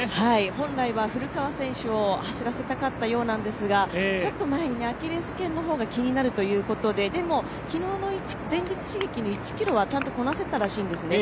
本来は古川選手を走らせたかったようですがちょっと前にアキレス腱の方が気になるということで、でも、前日の１ｋｍはこなせていたみたいなんですね。